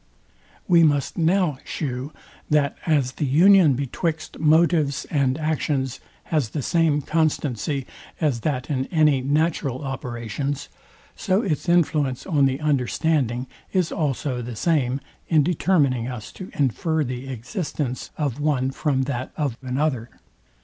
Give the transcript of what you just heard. We must now shew, that as the union betwixt motives and actions has the same constancy, as that in any natural operations, so its influence on the understanding is also the same, in determining us to infer the existence of one from that of another.